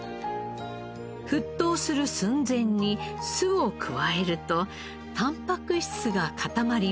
沸騰する寸前に酢を加えるとタンパク質が固まります。